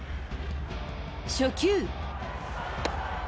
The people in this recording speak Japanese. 初球。